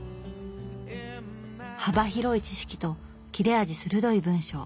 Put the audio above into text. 幅広い知識と切れ味鋭い文章